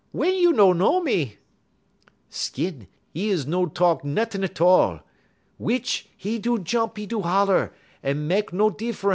wey you no know me?' "Skin, 'e no talk nuttin' 'tall. Witch 'e do jump, 'e do holler; à mek no diffran.